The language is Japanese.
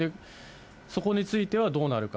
そこについてはどうなるか。